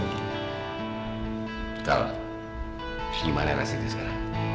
sikal gimana rasanya sekarang